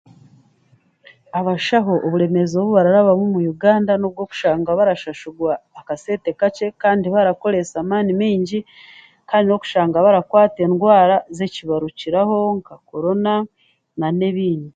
Abashaho oburemeezi obu bararabamu mu Uganda n'okushashurwa akasente kanye kandi barakoresa amaani maingi kandi n'okushanga barakwatwa endwara ezibarukireho nk'akoroona, nan'ebindi